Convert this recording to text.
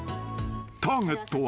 ［ターゲットは］